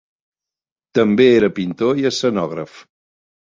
També era pintor i escenògraf.